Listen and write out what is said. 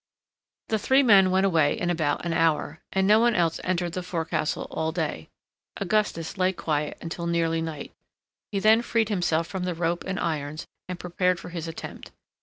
The three men went away in about an hour, and no one else entered the forecastle all day. Augustus lay quiet until nearly night. He then freed himself from the rope and irons, and prepared for his attempt.